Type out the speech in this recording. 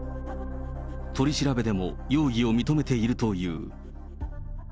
取り調べでも容疑を認めているという。